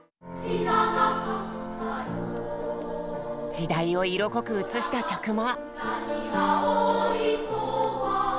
時代を色濃く映した曲も。